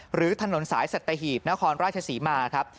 หรือถนนสายสัตหีบนครราชศรีมาครับ